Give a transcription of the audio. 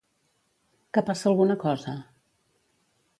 Que passa alguna cosa?